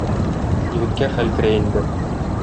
Егеткә хәл керә инде.